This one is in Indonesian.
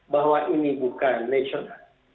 bahwa ini bukan natural